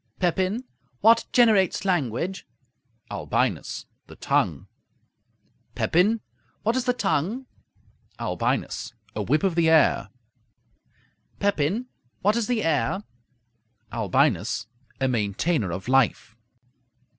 Pepin What generates language? Albinus The tongue. Pepin What is the tongue? Albinus A whip of the air. Pepin What is the air? Albinus A maintainer of life.